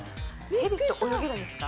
蛇って泳げるんですか？